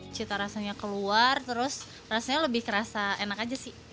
cita rasanya keluar terus rasanya lebih kerasa enak aja sih